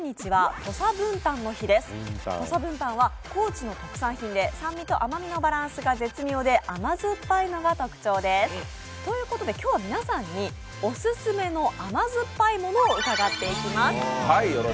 土佐文旦は高知の名産品で酸味と甘みのバランスがよく、甘酸っぱいのが特徴です。ということで今日は皆さんオススメの甘酸っぱいものを伺っていきます。